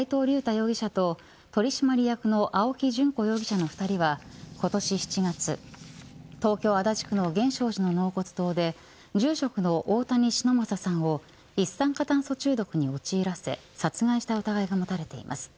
容疑者と取締役の青木淳子容疑者の２人は今年７月東京・足立区の源証寺の納骨堂で住職の大谷忍昌さんを一酸化炭素中毒に陥らせ殺害した疑いが持たれています。